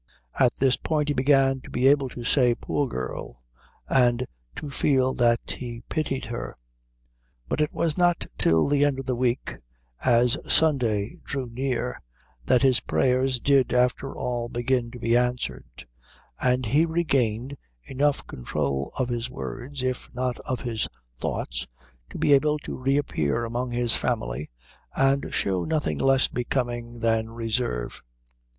At this point he began to be able to say "Poor girl," and to feel that he pitied her. But it was not till the end of the week, as Sunday drew near, that his prayers did after all begin to be answered, and he regained enough control of his words if not of his thoughts to be able to reappear among his family and show nothing less becoming than reserve.